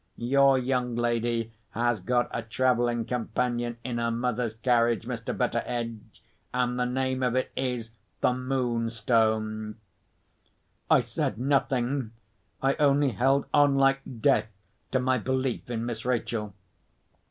Your young lady has got a travelling companion in her mother's carriage, Mr. Betteredge—and the name of it is, the Moonstone." I said nothing. I only held on like death to my belief in Miss Rachel.